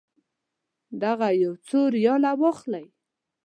دغه یو څو ریاله واخلئ.